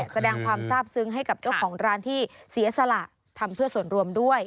แสดงความทราบซึ้งให้กับเจ้าของร้านที่เสียสละทำเพื่อส่วนรวมด้วย